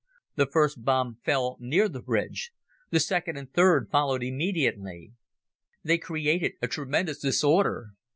The first bomb fell near the bridge. The second and third followed immediately. They created a tremendous disorder.